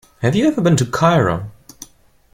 Have you ever been to Cairo?